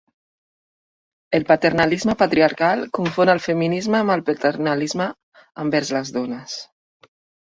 El paternalisme patriarcal confon el feminisme amb el paternalisme envers les dones.